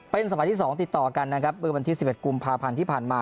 เป็นสมัยที่๒ติดต่อกันนะครับเมื่อวันที่๑๑กุมภาพันธ์ที่ผ่านมา